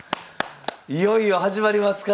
いよいよ始まりますか。